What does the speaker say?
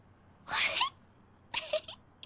フフフ！